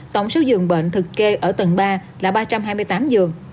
tổng số dường bệnh thực kê ở tầng ba là ba trăm hai mươi tám dường